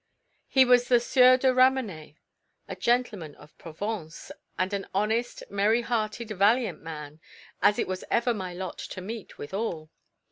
He was the Sieur de Ramenais; a gentleman of Provence, and an honest, merry hearted, valiant man, as it was ever my lot to meet withal.